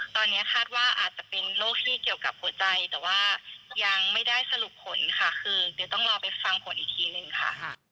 ตอนนี้คาดว่าอาจจะเป็นโรคที่เกี่ยวกับหัวใจแต่ว่ายังไม่ได้สรุปผลค่ะคือเดี๋ยวต้องรอไปฟังผลอีกทีหนึ่งค่ะ